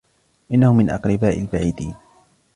انه من اقربائي البعيدين